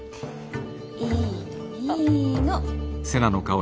いいのいいの。